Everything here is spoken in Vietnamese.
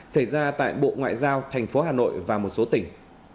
xảy ra tại bộ ngoại giao tp hà nội và một số tỉnh